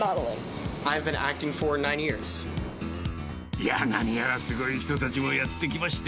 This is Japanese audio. いやー、何やらすごい人たちもやって来まして、